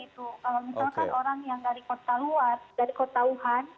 kalau misalkan orang yang dari kota luar dari kota wuhan